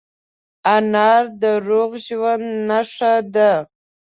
انار د روغ ژوند نښه ده.